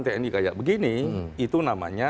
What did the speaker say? tni kayak begini itu namanya